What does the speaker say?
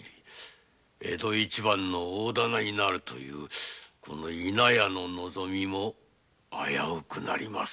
江戸一番の大店になるというこの伊奈屋の望みも危うくなります。